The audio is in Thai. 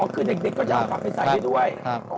อ๋อคือเด็กก็อธรรมภัยทรายด้วย